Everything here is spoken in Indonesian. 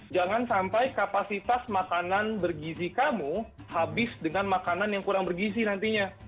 jangan sampai kapasitas makanan bergizi kamu habis dengan makanan yang kurang bergizi nantinya